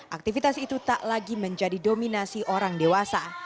aktivitas itu tak lagi menjadi dominasi orang dewasa